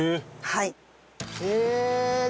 はい。